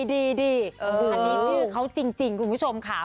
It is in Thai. ดีอันนี้ชื่อเขาจริงคุณผู้ชมค่ะ